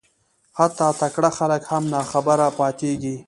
حتی تکړه خلک هم ناخبره پاتېږي